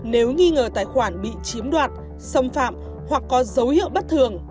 nếu nghi ngờ tài khoản bị chiếm đoạt xâm phạm hoặc có dấu hiệu bất thường